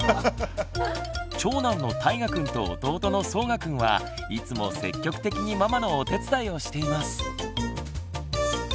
長男のたいがくんと弟のそうがくんはいつも積極的にママのお手伝いをしています。